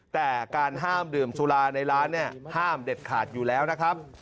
แต่การห้ามดื่มสุราในร้านเนี่ยห้ามเด็ดขาดอยู่แล้วนะครับ